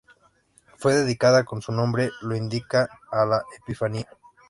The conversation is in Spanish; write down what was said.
Fue dedicada como su nombre lo indica a la Epifanía.